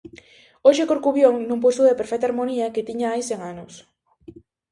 Hoxe Corcubión non posúe a perfecta harmonía que tiña hai cen anos.